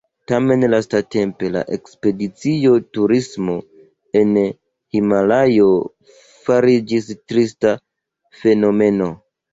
Tamen lastatempe la ekspedicio-turismo en Himalajo fariĝis trista fenomeno.